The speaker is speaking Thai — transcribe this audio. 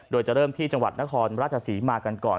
โดยจะเริ่มที่จังหวัดนครราชศรีมากันก่อน